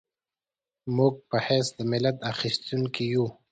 موږ په حیث د ملت اخیستونکي یو.